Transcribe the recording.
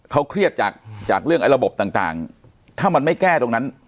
เขาเครียดจากจากเรื่องไอ้ระบบต่างถ้ามันไม่แก้ตรงนั้น